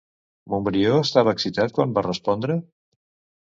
Montbrió estava excitat quan va respondre?